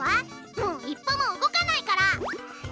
もう一歩も動かないから！